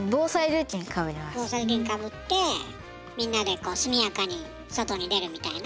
防災頭巾かぶってみんなで速やかに外に出るみたいな？